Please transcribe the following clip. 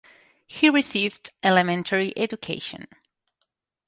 He received elementary education.